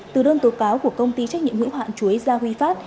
từ đơn tố cáo của công ty trách nhiệm hữu hạn chuối gia huy phát